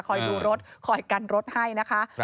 ดูรถคอยกันรถให้นะคะ